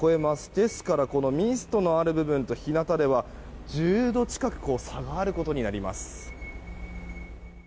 ですからミストのある部分と日なたでは１０度近く差があることになります。